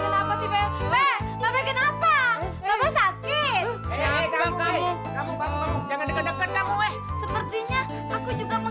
lucy pak kenapa aku